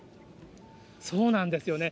そうなんですよね。